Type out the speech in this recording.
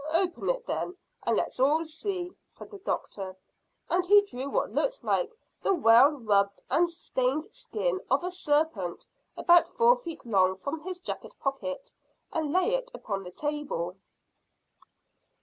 "Open it then, and let's all see," said the doctor, and he drew what looked like the well rubbed and stained skin of a serpent about four feet long from his jacket pocket, and laid it upon the table.